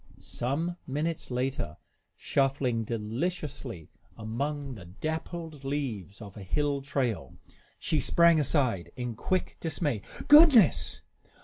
Some minutes later, shuffling deliciously among the dappled leaves of a hill trail, she sprang aside in quick dismay. "Goodness!"